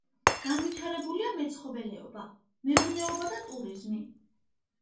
განვითარებულია მეცხოველეობა, მეურნეობა და ტურიზმი.